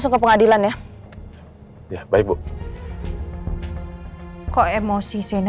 janganlah sampai rikimu kembali ke sana